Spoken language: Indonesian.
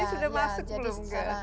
ini sudah masuk belum